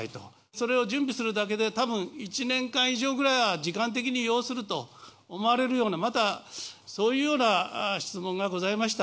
それを準備するだけで、たぶん１年間以上くらいは時間的に要すると思われるような、また、そういうような質問がございました。